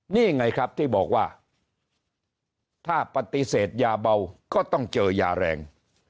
นี่ไงครับที่บอกว่าถ้าปฏิเสธยาเบาก็ต้องเจอยาแรง